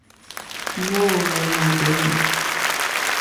Mòóhwò mòndɛ́nɛ̀.